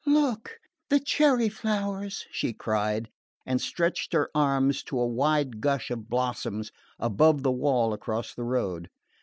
"Look! The cherry flowers!" she cried, and stretched her arms to a white gush of blossoms above the wall across the road.